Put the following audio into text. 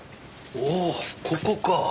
おおここか。